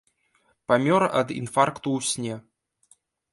Памёр ад інфаркту ў сне.